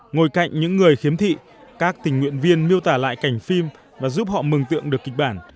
ngồi cạnh những người khiếm thị các tình nguyện viên miêu tả lại cảnh phim và giúp họ mừng tượng được kịch bản